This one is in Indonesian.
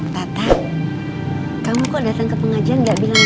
tata kamu kok datang ke pengajian gak bilang